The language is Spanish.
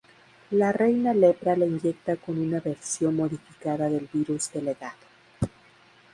La Reina Lepra le inyecta con una versión modificada del Virus de legado.